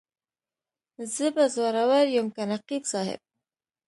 زه به زورور یم که نقیب صاحب.